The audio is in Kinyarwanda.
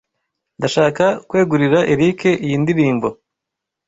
Ndashaka kwegurira Eric iyi ndirimbo.